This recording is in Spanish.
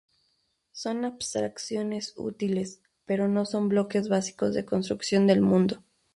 Son abstracciones útiles, pero no son bloques básicos de construcción del mundo.